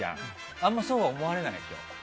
あんまそうは思われないの？